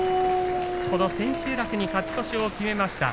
この千秋楽に勝ち越しを決めました。